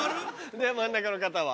で真ん中の方は？